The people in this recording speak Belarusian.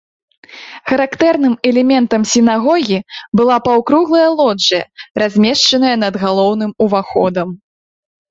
Характэрным элементам сінагогі была паўкруглая лоджыя, размешаная над галоўным уваходам.